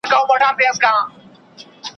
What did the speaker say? موږ له آدمزاده څخه شل میدانه وړي دي `